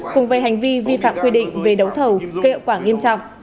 cùng về hành vi vi phạm quy định về đấu thầu gây hậu quả nghiêm trọng